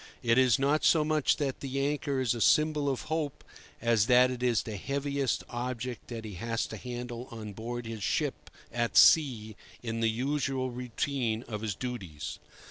It is not so much that the anchor is a symbol of hope as that it is the heaviest object that he has to handle on board his ship at sea in the usual routine of his duties.